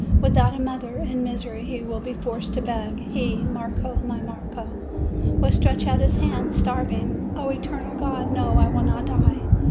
without a mother, in misery, he will be forced to beg! He, Marco, my Marco, will stretch out his hand, starving! O eternal God! No! I will not die!